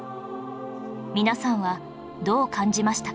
皆さんはどう感じましたか？